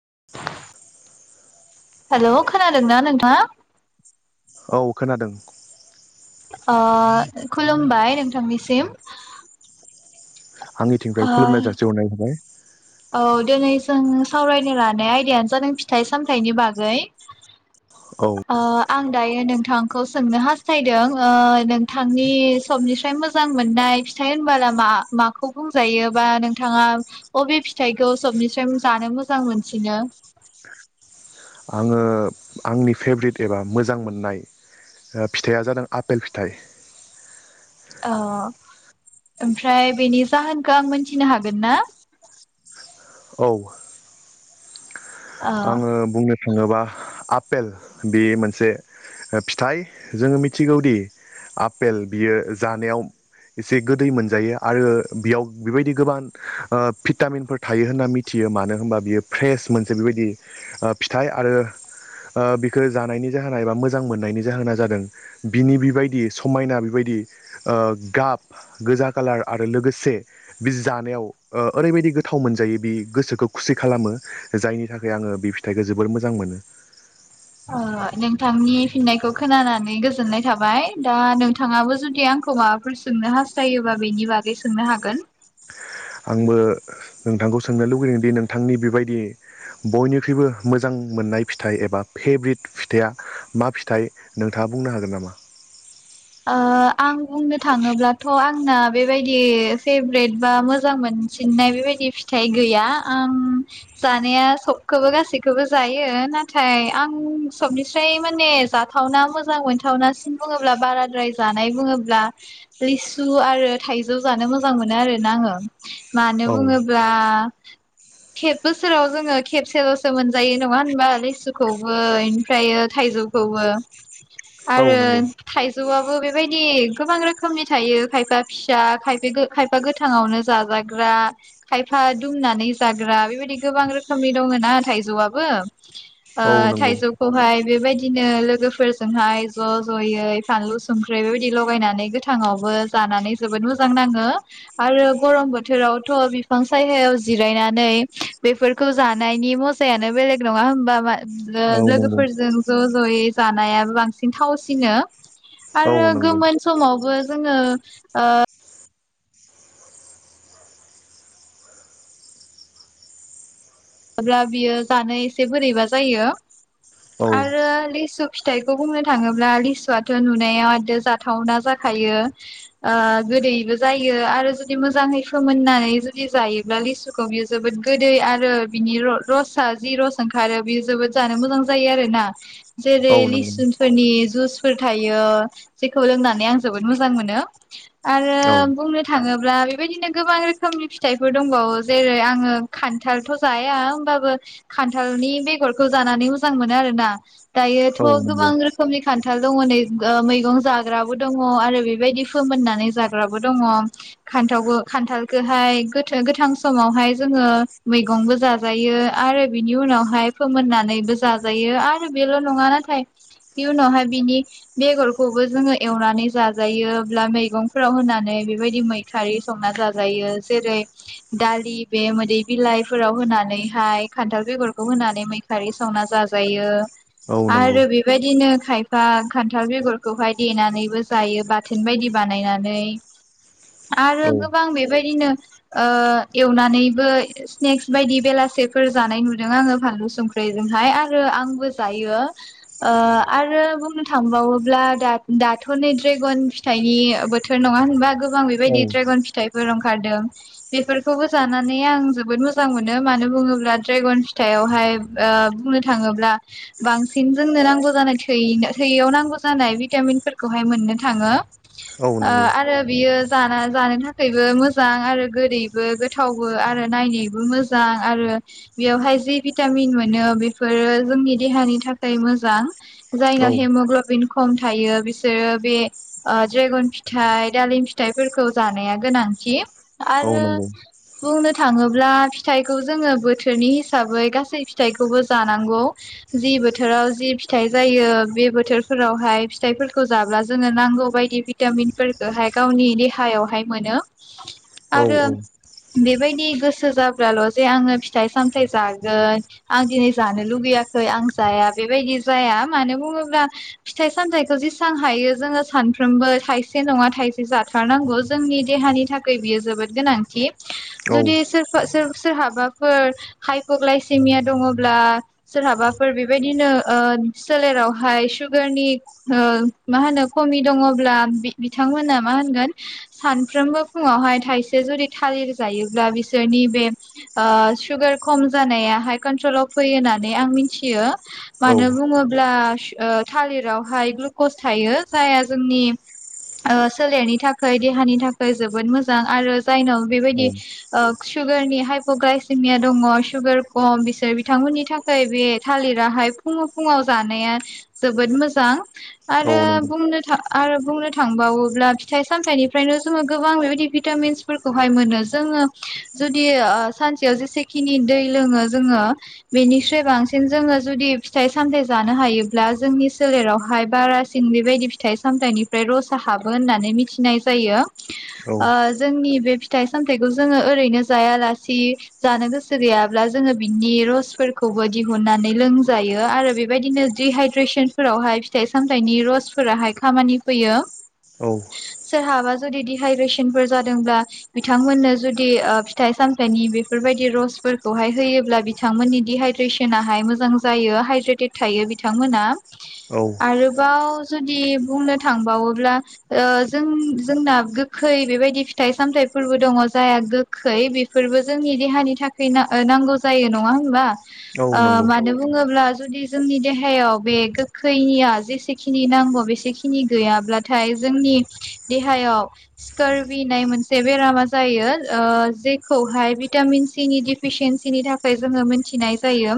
[inaudible] हेल' खोनादोंना नोंथाङा? औ खोनादों अ खुलुमबाय नोंथांनिसिम आंनिथिंफ्राय ओ खुलुमनाय जासिहरनाय थाबाय। औ दिनै जों सावरायनो लानाय आयदायानो जादों फिथाइ सामथायाइनि बागै औ आ आं दायो नोंथांखौ सोंनो हास्थायदों ओ नोंथांनि सबनिसाय मोजां मोननाय फि थाइ होनबोला मा माखौ बुंजायो बा नोंथाङा अबे फि थाइखौ सबनिफ्राय जानो मोजां मोनसिनो? आङो आंनि फेभ्रेट एबा मोजां मोननाय फिथाइया जादों आपेल फिथाइ औ ओमफ्राय बेनि जाहोनखौ आं मोनथिनो हागोन ना? औ ओ आङो बुंनो थाङोबा आपेल बे मोनसे ओ फिथाइ जोङो मिथिगौदि आपेल बियो जानायाव एसे गोदै मोनजायो आरो बेयाव बेबायदि गोबां ओ भिटामिनफोर थायो होनना मिथि यो मानो होनबा बियो फ्रेस मोनसे बेबायदि फिथाइ आरो ओ बिखौ जानायनि जाहोना एबा मोजां मोननायनि जाहोना जादों बिनि बेबायदि समायना बेबायदि ओ गाब गोजा कालार आरो लोगोसे बि जानायाव ओ ओरैबायदि गोथाव मोनजायो बि गोसोखौ खुसि खालामो जायनि था खाय आङो बे फिथाइखौ जोबोर मोजां मोनो ओ नोंथांनि फिननायखौ खोनानानै गोजोननाय थाबाय दा नोंथाङाबो जुदि आंखौ माबाफोर सोंनो हास्थायोबा बेनि बागै सोंनो हागोन आंबो नोंथांखौ सोंनो लुबैदों दि नोंथांनि बेबायदि बयनिख्रुइबो मोजां ओ मोननाय फिथाइ एबा फेभ्रेट फिथाइया मा फिथाइ नोंथाङा बुंनो हागोन नामा? [inaudible] ओ आं बुंनो थाङोब्लाथ' आंना बेबायदि फेभ्रेट बा मोजां मोन मोनसिननाय बेबायदि फिथाइ गैया ओम जानाया सबखौबो गासैखौबो जायो दा नाथाय आं सबनिफ्राय्र माने जाथावना मोजां मोनथावनासिन बुङोब्ला बारा द्राय जानाय बुङोब्ला लिसु आरो थाइजौ जानो मोजां मोनो आरोना आङो मानो औ बुङोब्ला खेब बोसोराव जोङो खेबसेल'सो मोनजायो नङा होनबा? लिसुखौबो इमफ्रायो थाइ जौखौबो औ आरो नंगौ थाइ जौवाबो बेबायदि गोबां रोखोमनि थायो खायफा फिसा खायफा गो खायफा गोथाङावनो जाजा जाग्रा खायफा दुमनानै जाग्रा बेबायदि गोबां रोखोमनि दङ ना थायजौवाबो ओ औ नंगौ थाइजौखौहाय बेबायदिनो लोगोफोरजोंहाय ज' ज'यै फानलु संख्रि बेबायदि लगायनानै गोथांङावबो जानानै जोबोद मोजां नांङो आरो गरम बोथोरावथ' बिफां सायहायाव जिरायनानै बेफोरखौ जानायनि मजायानो बेलेग नंङा होमबा? बा ओ औ नंगौ लोगोफोरजों ज' ज'यै जानायाबो बांसिन थावसिनो औ आरो नंगौ गोमोन समावबो जोंङो ओ ब्ला बियो जानो एसे बोरैबा जायो औ आरो लिसु फिथाइखौ बुंनो थांङोब्ला लिसुआथ' नुनायाव एद' जाथावना जाखायो ओ गोदैबो जायो आरो जुदि मोजांङै फोमोननानै जुदि जायोब्ला लिसुखौ बियो जोबोद गोदै आरो। बिनि र-रसा जि रस ओंखारो बेयो जोबोद जानो मोजां जायो आरो ना। जेरै औ लिसु नंगौ फोरनि जुइसफोर थायो जेखौ लोंनानै आं जोबोद मोजां मोनो। आरो औ बुंनो थांङो ब्ला बेबादिनो गोबां रोखोमनि फिथाइफोर दंबावो जेरै आंङो खान्थालथ' जाया होमबाबो खान्थालनि बेगरखौ जानानै मोजां मोनो आरोना। दायोथ' औ नंगौ गोबां रोखोमनि खान्था थाल दङ नै ओ मैगं जाग्राबो दङ आरो बेबायदि फोमोननानै जाग्राबो दङ। खान्थावखौ खान्थालखौहाय गोथ गोथां समावहाय जोंङो मै गंबो जाजायो आरो बिनि उनावहाय फोमोननानैबो जाजायो आरो बेल' नंङा नाथाय बे उनावहाय बिनि बेगरखौबो जोंङो एवनानै जाजायो अब्ला मैगंफोराव नानै बेबायदि मैखारि संनानै जाजायो जेरै दालि बे मोदै बिलाइ फोराव होनानैहाय खान्थाल बेगरखौ होनानै मैखारि संनानै जाजायो। औ नंगौ आरो बेबायदिनो खायफा खान्थाल बेगरखौहाय देनानैबो जायो बाथोन बायदि बानायनानै। आरो औ गोबां बेबायदिनो ओ एवनानैबो सिनेक्स बायदि बेलासेफोर जानाय नुदों आंङो फानलु संख्रिजोंहाय आरो आंबो जायो। ओ आरो बुंनो थांबावोब्ला दाथ' नै ड्रेगन फिथाइनि बोथोर नंङा होनबा गोबां औ बेबायदि द्रागन फिथाइफोर ओंखारदों बेफोरखौबो जानानै आं जोबोद मोजां मोजां मोनो मानो बुंङोब्ला ड्रेगन फिथाइावहाय ओ बुंनो थाङोब्ला बांसिन जों नांगौ जानाय थै थैयाव नांगौ जानाय भिटामिनफोरखौहाय मोननो थांङो। औ ओ नंगौ आरो बियो जाना जानो थाखायबो मोजां आरो गोदैबो गोथावबो आरो नायनो बो मोजां आरो बेयावहाय जि भिटामिन मोनो बेफोरो जोंनि देहानि थाखाय मोजां औ जायनाव हेमग्लबिन खम थायो बिसोरो बे ड्रेगन फिथाइ दालिम फिथाइफोरखौ जानाया गोनां थि औ आरो नंगौ बुंनो थांङोब्ला फिथाइखौ जोंङो बोथोरनि हिसाबै गासै फिथाइखौबो जानांगौ जि बोथोराव जि फिथाइ जायो बे बोथोरफोरावहाय फिथाइफोरखौ जाब्ला जोंङो नांगौ बायदि भिटामिनफोर हाय गावनि देहायावहाय मोनो औ आरो बेबायदि गोसो जा ब्लाल' जे आंङो फिथाइ सामथाय जागोन आं दिनै जानो लुुबैयाखै आं जाया बेबायदि जाया मानो बुंङोब्ला फिथाइ सामथाइखौ जेसां हायो जोंङो सानफ्रोमबो थाइसे नंङा थायसे जाथारनांगौ जोंनि देहानि थाखाय बियो जोबोद गोनांथि औ जुदि सोरबा सोर सोरहाबाफोर हाइप'ग्लायसेमिया दंङब्ला सोरहाबाफोर बेबायदिनो ओ सोलेरावहाय सुगारनि ओ मा होनो खमि दंङब्ला बि-बिथांमोना मा होनगोन सानफ्रोमबो फुंङावहाय थाइसे जुदि थालिर जायोब्ला बिसोरनि बे ओ सुगार खम जानायाहाय कन्ट्रलाव फैयो होननानै आं मिथियो। मानो औ बुंङोब्ला ओ थालिरावहाय ग्लुकस थायो जायहा जोंनि सोलेरनि थाखाय देहानि थाखाय जोबोद मोजां आरो जायनाव औ बेबायदि ओ सुगारनि हाइप'ग्लायसिमिया दंङ सुगार खम बिसोर बिथांमोननि थाखाय बे थालिराहाय फुं फुुं फुंआव जानाया जोबोद मोजां औ आरो नंगौ बुंनो थां आरो बुंनो थांबावोब्ला फिथाइ सामथाइनिफ्रायनो जोङो गोबां बेबायदि भिटामिनसफोरखौहाय मोनो। जोङो जुदि ओ सानसेयाव जेसेखिनि दै लोङो जोङो बेनिख्रुइ बांसिन जोङो जुदि फिथाइ सामथाइ जानो हायोब्ला जोंनि सोलेरावहाय बारासिन बेबायदि फिथाइ सामथाइनिफ्राय रसा हाबो होननानै मिथिनाय जायो। औ ओ जोंनि बे फिथाइ सामथाइखौ जोङो ओरैनो जायालासे जानो गोसो गैयाब्ला जोङो बिनि रसफोरखौबो दिहुननानै लोंजायो आरो बेबायदिनो दिहाइद्रेसन फोरावहाय फिथाइ सामथाइनि रसफोराहाय खामानि फैयो सोरहाबा जुदि दिहाइद्रेसनफोर जादोंब्ला बिथांमोननो जुदि फिथाइ साम नि बेफोरबायदि रसफोरखौहाय होयोब्ला बिथांमोननि दिडहाइद्रेसनाहाय मोजां जायो हाइड्रेट [unintelligible] थायो बिथांमोना आरोबाव जुदि बुंनो थांबावोब्ला ओ जों जोंना गोखै बेबायदि फिथाइ सामथाइफोरबो दङ जायहा गोखै फोरबो जोंनि देहानि थाखाय नांगौ जायो नङा होनबा औ नंगौ मानो बुङोब जुदि जोंनि देहायाव बे गोखैनिया जेसेखिनि नांगौ बेसेखिनि गैयाब्लाथ नाथाय जोंनि देहायाव स्कारबिनाय मोनसे बेरामा जायो। खौहाय भिटामिन सि नि डिफिसिन्सिनि थाखाय जोङो मिथिनाय जायो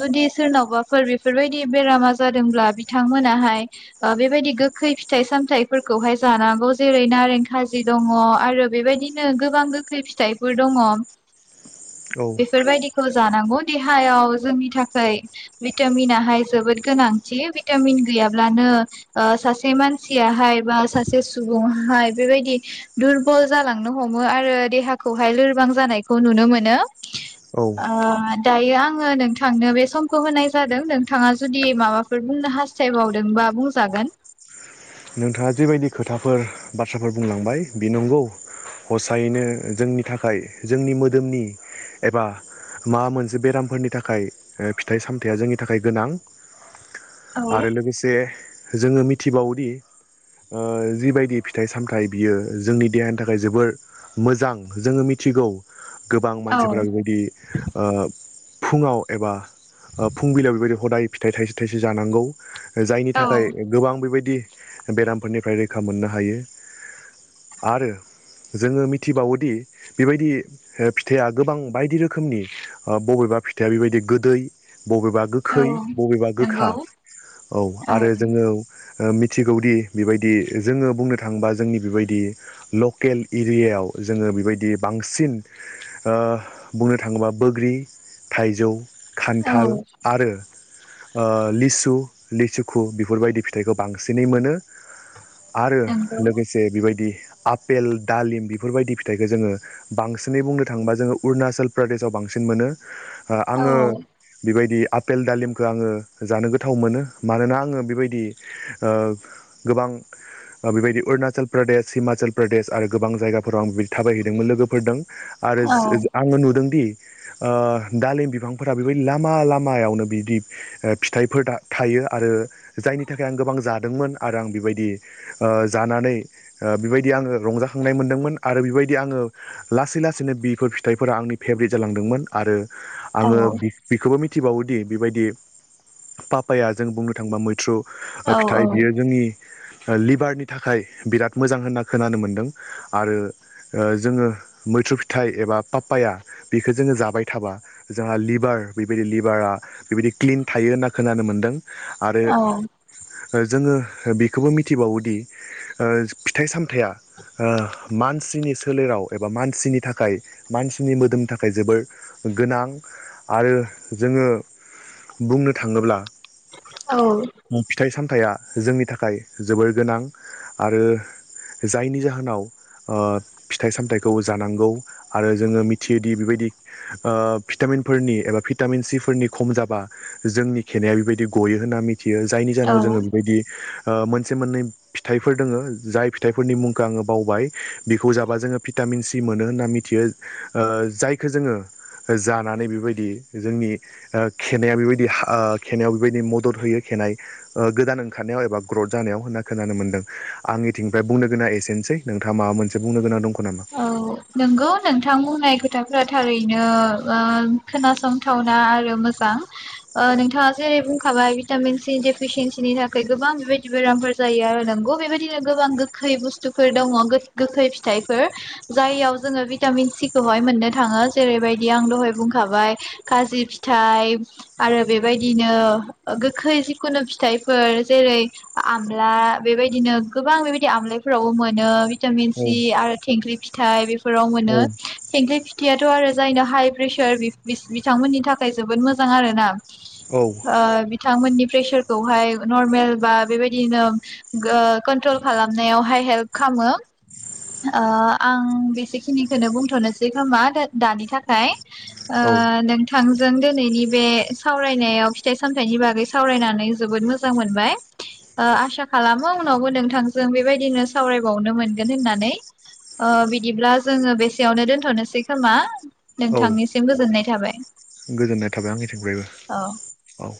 जुदि सोरनाव माबाफोर बेफोरबायदि बेरामा जादोंब्ला बिथांमोनाहाय बेबायदि गोखै फिथाइ सामथाइ फोरखौहाय जानांगौ जेरै नारें खाजि दङ आरो बेबायदिनो गोबां गोखै फिथाइ दङ औ बेफोरबायदि जानांगौ देहायाव जोंनि थाखाय भिटामिनाहाय जोबोद गोनांथि भिटामिन गैयाब्लानो सासे मानसियाहाय बा सासे सुबुङाहाय बेबायदि दुरबल जालांनो हमो आरो देहा खौहाय लोरबां जानायखौ नुनो मोनो औ दायो आङो नोंथांनो बे समखौ होनाय जादों नोंथाङा जुदि माबाफोर बुंनो हास्थायबावदोंबा बाबु जागोन नोंथाङा जिेबायदि खोथाफोर बाथ्राफोर बुंलांबाय रम हसायैनो जोंनि थाखाय जोंनि मोदोमनि एबा माबा मोनसे बेरामफोरनि थाखाय फिथाइ सामथायाइया जोंनि थाखाय गोनां। औ आरो लोगोसे जोङो मिथिबावोदि [inaudible] जिबायदि फिथाइ सामथाइ बियो जोंनि देहानि थाखाय जोबोर मोजां। जोङो मिथिगौ गोबां औ मानसिफोरा बेबायदि ओ फुङाव एबा फुंबिलियाव बेबायदि हदाय फिथाइ थाइसे थाइसे जानांगौ जायनि थाखाय गोबां बेबायदि बेरामफोरनिफ्राय रैखा मोननो हायो आरो जोङो मिथिबावोदि बेबायदि फिथाइया गोबां बायदि रोखोमनि बबेबा बिा फिथाइया बेबायदि गोदै बबेबा औ गोखै बबेबा गोखा नंगौ औ आरो जोङो मिथिगौदि बेबायदि जोङो बुंनो थाङोबा जोंनि बेबायदि लकेल एरियायाव जोङो बेबायदि बांसिन बुंनो थाङोबा बोग्रि थाइजौ औ खान्थाल आरो लिसु लिसुखु बेफोरबायदि फिथाइखौ बांसिनै मोनो। आरो नंगौ लोगोसे बेबायदि आफेल दालिम बेफोरबायदि फिथाइखौ जोङो बांसिनै बुंनो थाङोबा जोङो अरुणाचल प्रदेशआव बांसिन बांसिन मोनो औ आङो बेबायदि आफपेल दालिमखौ आङो जानो गोथाव मोनो मानोना आङो बेबायदि गोबां बेबायदि अरुणाचल प्रदेश हिमाचल प्रदेश आरो गोबां जायगाफोराव आं बेबायदि थाबायहैदोंमोन लोगोफोरजों आरो औ आङो नुदोंदि दालिम बिफांफोरा बेबायदि लामा लामायावनो बिदि फिथाइफोर थायो आरो जायनि थाखाय आं गोबां जादोंमोन आरो आं बेबायदि जानानै बेबायदि आङो रंजाखांनाय मोनदोंमोन आरो बेबायदि आङो लासै लासैनो बिफोर फिथाइफोरा आंनि फेभरेट जालांदोंमोन आरो औ आङो बेखौबो मिथि मिथिबावोदि बेबायदि पापाया जों बुंनो थांओबा मैथ्रु औ नाथाय बियो औ जोंनि लिभारनि थाखाय बिराद मोजां होनना खोनानो मोनदों आरो जोङो मैथ्रु फिथाइ एबा पाप्पाया बेखौ जोङो जाबाय थाबा जोंहा लिभार बेबायदि लिभारा बेबायदि क्लिन थायो होनना खोनानो मोनदों आरो औ जोङो बेखौबो मिथिबावोदि फिथाइ सामथाइा मानसिनि सोलेराव एबा मानसिनि थाखाय मानसिनि मोदोमनि थाखाय जोबोर गोनां आरो जोङो बुंनो थाङोब्ला औ थाया जोंनि थाखाय जोबोर गोनां आरो जायनि जाहोनाव फिथाइ सामथाइखौ जानांगौ आरो जोङो मिथियोदि बेबायदि भिटामिन फोरनि एबा भिटामिन सि फोरनि खम जाबा जोंनि खेनाया बेबायदि गयो होननानै मिथि थियो जायनि औ जाहोनाव जोङो बेबायदि मोनसे मोननै फिथाइफोर दोङो जाय फिथाइफोरनि मुंखौ आङो बावबाय बिखौ जाबा जोङो फिथा टामिन सि मोनो होन्ना मिथियो जायखौो जोङो जानानै बेबायदि जोंनि खनाया बेबायदि खनायायाव बेबायदि मदद होयो ननाय गोदान ओंखारनायाव एबा ग्रथ जानायाव होनना खोनानो मोनदों आंनिथिंनिफ्राय बुंनो गोनां एसेनोसै नोंथा मा मोनसे बुंनो गोनां दं' नामा? औ नंगौ नोंथां बुंनाय खोथाफोरा थारैनो खोनासंथावना आरो मोजां नोंथाङा जेरै बुंखाबाय भिटामिन सि डेफिसियेन्सिनि थाखाय गोबां बेबायदि बेरामफोर जायो आरो नोंगौ बेबायदिनो गोबां गोखै बुस्थुफोर दङ गोखै फिथाइफोर जाययाव जोङो भिटामिन सिखौहाय मोननो थाङो जेरैबायदि आं दहाय बुंखाबाय खाजि फिथाय फिथाइ आरो बेबायदिनो गोखै जिखुनु फिथाइफोर जेरै आमला बेबायदिनो गोबां बेबायदि आमलाय फोरावबो मोनो। भिटामिन औ सि आरो थेंख्लि फिथाइ बेफोराव मोनो औ थेंख्लि फिथाइ आथ' आरो जायनो हाइ प्रेसार बिथांमोननि थाखाय जोबोद मोजां आर ना। ओ बिथांमोननि प्रेसारखौहाय नरमेल बा बेबायदिनो कन्ट्रल खालामनायावहाय हेल्प खालाम मो। ओ आं बेसेखिनिखौनो बुंथ'नोसै खोमा दानि थाखाय। ओ औ नोंथां थांजों दिनैनि बे सावरायनायाव फिथाइ सामथाइनि बागै सावरायनानै जोबोद मोजां मोनबाय। ओ आसा खालामो उनावबो नोंथांजों बेबायदिनो सावरायबावनो मोनगोन होननानै। नै बिदिब्ला जोङो बेसेयावनो दोनथ'नोसै खोमा। औ नोंथांनिसिम गोजोननाय थाबाय। गोजोननाय थाबाय आंनिथिंफ्रायबो औ औ।